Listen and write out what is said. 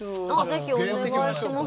ぜひお願いします。